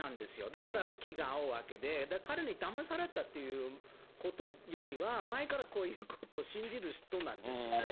だから気が合うわけで、だから彼にだまされたということよりは、前からこういうことを信じる人なんですよね。